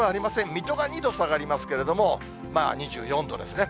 水戸が２度下がりますけれども、２４度ですね。